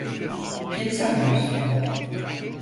Kim sanıyorsun?